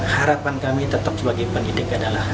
harapan kami tetap sebagai pendidik adalah